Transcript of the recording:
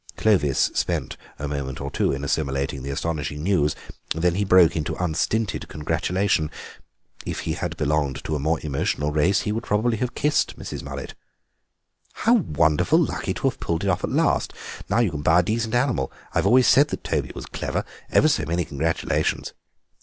Clovis spent a moment or two in assimilating the astonishing news; then he broke out into unstinted congratulation. If he had belonged to a more emotional race he would probably have kissed Mrs. Mullet. "How wonderfully lucky to have pulled it off at last! Now you can buy a decent animal. I've always said that Toby was clever. Ever so many congratulations."